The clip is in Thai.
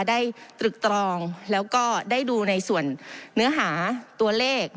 ตรึกตรองแล้วก็ได้ดูในส่วนเนื้อหาตัวเลข